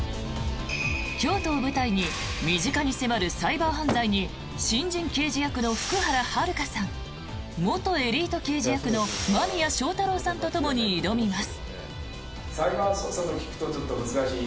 京都を舞台に身近に迫るサイバー犯罪に新人刑事役の福原遥さん元エリート刑事役の間宮祥太朗さんとともに挑みます。